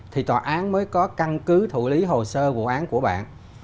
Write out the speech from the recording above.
thì tòa án mới có căn cứ thủ lý hồ sơ vụ án của bạn